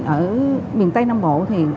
ở miền tây nam bộ